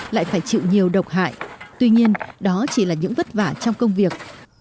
lại phải chịu nhiều độc hại tuy nhiên đó chỉ là những vất vả trong công việc